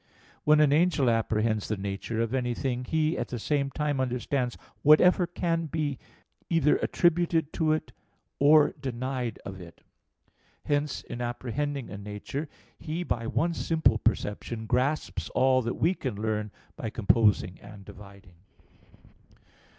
When an angel apprehends the nature of anything, he at the same time understands whatever can be either attributed to it, or denied of it. Hence, in apprehending a nature, he by one simple perception grasps all that we can learn by composing and dividing.